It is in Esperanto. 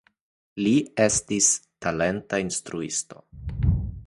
Li estis talenta instruisto.